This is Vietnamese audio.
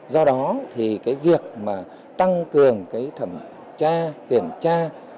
do đó thì việc tăng cường thẩm tra kiểm tra